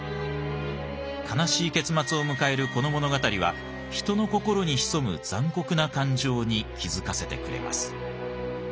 悲しい結末を迎えるこの物語は人の心に潜む残酷な感情に気付かせてくれます。